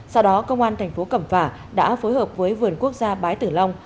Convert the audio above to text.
sau đó công an tp cầm phả đã phối hợp với vườn quốc gia bái tử long